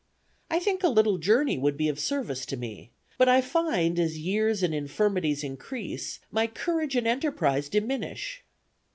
I think a little journey would be of service to me; but I find, as years and infirmities increase, my courage and enterprise diminish.